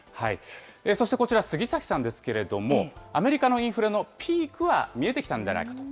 そしてこちら、杉嵜さんですけれども、アメリカのインフレのピークは見えてきたのではないかと。